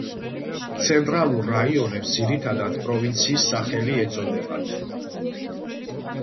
ცენტრალურ რაიონებს ძირითადად პროვინციის სახელი ეწოდებათ.